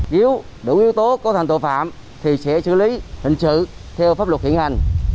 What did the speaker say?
nếu đủ yếu tố cấu thành tội phạm thì sẽ xử lý hình sự theo pháp luật hiện hành